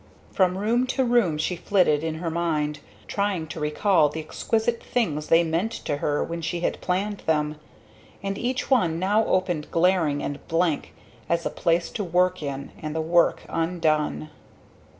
From room to room she flitted, in her mind, trying to recall the exquisite things they meant to her when she had planned them; and each one now opened glaring and blank, as a place to work in and the work undone.